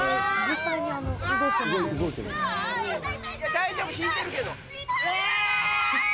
大丈夫、引いてるけど。